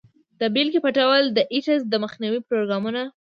د بیلګې په ډول د ایډز د مخنیوي پروګرامونه.